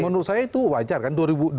menurut saya itu wajar kan